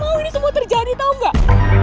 gue gak mau ini semua terjadi tau gak